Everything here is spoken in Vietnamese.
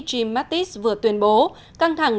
jim mattis vừa tuyên bố căng thẳng